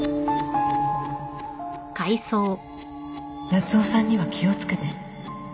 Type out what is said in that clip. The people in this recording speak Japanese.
夏雄さんには気を付けて